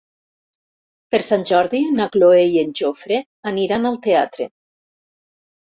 Per Sant Jordi na Cloè i en Jofre aniran al teatre.